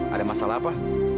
ada masalah apa